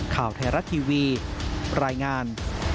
ข่าวไทยรัฐทีวีรายงาน